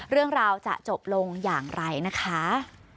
เรื่องราวจะจบลงอย่างไรนะคะ